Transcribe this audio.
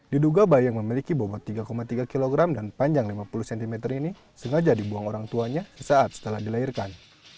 diduga bayi yang memiliki bobot tiga tiga kg dan panjang lima puluh cm ini sengaja dibuang orang tuanya sesaat setelah dilahirkan